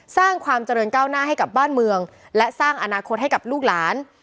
สร้างความเจริญก้าวหน้าให้กับบ้านเมืองและสร้างอนาคตให้กับลูกหลาน